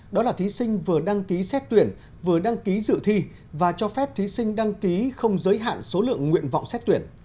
đó là thí sinh vừa đăng ký xét tuyển vừa đăng ký dự thi và cho phép thí sinh đăng ký không giới hạn số lượng nguyện vọng xét tuyển